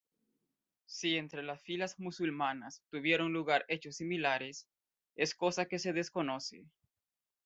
Si entre las filas musulmanas tuvieron lugar hechos similares, es cosa que se desconoce.